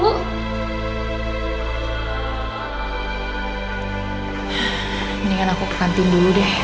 mendingan aku ke kantin dulu deh